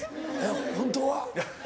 本当は？